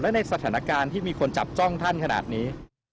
และในสถานการณ์ที่มีคนจับจ้องท่านขนาดนี้